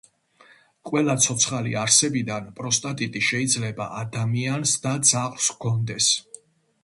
ყველა ცოცხალი არსებიდან პროსტატიტი შეიძლება ადამიანს და ძაღლს ჰქონდეს